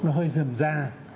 nó hơi dừng ra